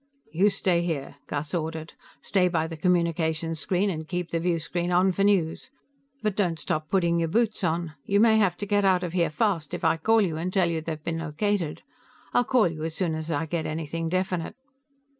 "You stay here," Gus ordered. "Stay by the communication screen, and keep the viewscreen on for news. But don't stop putting your boots on; you may have to get out of here fast if I call you and tell you they've been located. I'll call you as soon as I get anything definite."